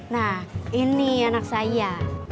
nah ini anak saya